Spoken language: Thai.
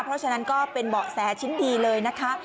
เพราะฉะนั้นก็เป็นเบาะแสชิ้นดีเลยนะคะ